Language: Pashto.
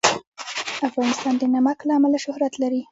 افغانستان د نمک له امله شهرت لري.